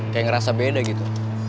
kayak ngerasa beda gitu